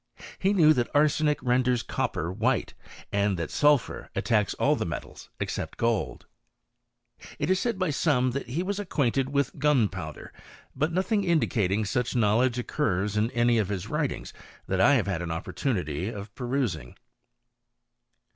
He knew that arsenic renders copper ^hite, and that sulphur attacks all the metals except X)W. • It is said by some that he was acquainted with gun owder ; but nothing indicating any such knowledge ccurs in any of his writings that I have had an oppor mity of perusing.